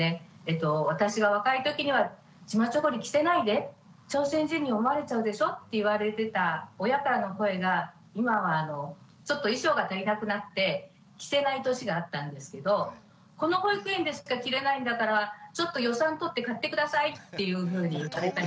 私が若いときにはチマチョゴリ着せないで朝鮮人に思われちゃうでしょって言われてた親からの声が今はちょっと衣装が足りなくなって着せない年があったんですけどこの保育園でしか着れないんだからちょっと予算取って買って下さいっていうふうに言われたり。